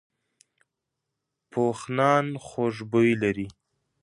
پوخ نان خوږ بوی لري